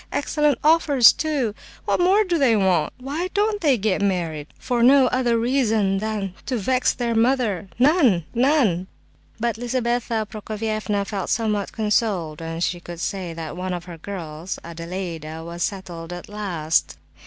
Excellent offers, too! What more do they want? Why don't they get married? For no other reason than to vex their mother—none—none!" But Lizabetha Prokofievna felt somewhat consoled when she could say that one of her girls, Adelaida, was settled at last.